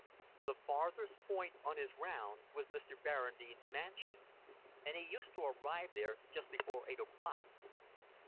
The farthest point of his round was Mr. Barradine's mansion, and he used to arrive there just before eight o'clock.